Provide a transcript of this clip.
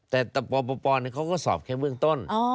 แต่ปปเขาก็สอบแค่เบื้องต้น